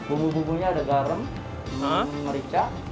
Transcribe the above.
bumbu bumbunya ada garam merica